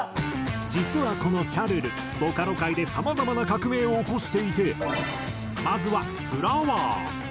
実はこの『シャルル』ボカロ界でさまざまな革命を起こしていてまずはｆｌｏｗｅｒ。